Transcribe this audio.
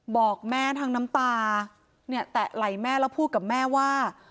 บอกแม่ทั้งน้ำตาเนี่ยแตะไหล่แม่แล้วพูดกับแม่ว่า